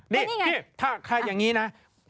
นี่ถ้าอย่างนี้นะ